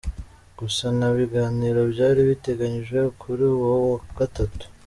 Gusa nta biganiro byari biteganyijwe kuri uwo wa Gatatu.